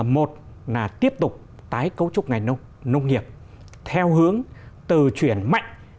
một là tiếp tục tái cấu trúc ngành nông nghiệp theo hướng từ chuyển mạnh